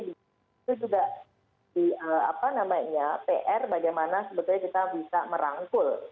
itu juga pr bagaimana sebetulnya kita bisa merangkul